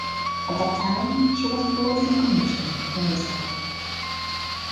At that time, she was placed in commission, in reserve.